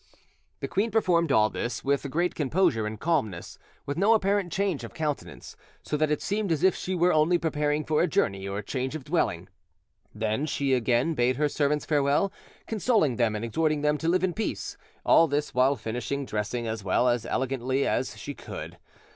The queen performed all this with great composure and calmness, with no apparent change of countenance; so that it seemed as if she were only preparing for a journey or change of dwelling; then she again bade her servants farewell, consoling them and exhorting them to live in peace, all this while finishing dressing as well and as elegantly as she could.